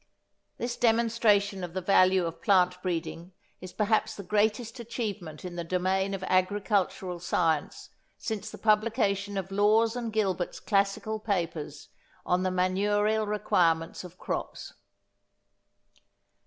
This demonstration of the value of plant breeding is perhaps the greatest achievement in the domain of agricultural science since the publication of Lawes and Gilbert's classical papers on the manurial requirements of crops.